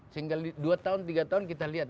sehingga dua tahun tiga tahun kita lihat